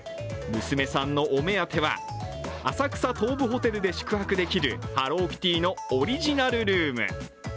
娘さんのお目当ては、浅草東武ホテルで宿泊できるハローキティのオリジナルルーム。